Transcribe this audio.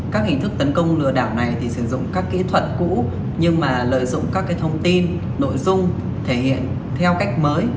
các hình thức tấn công lừa đảo này thì sử dụng các kỹ thuật cũ nhưng mà lợi dụng các thông tin nội dung thể hiện theo cách mới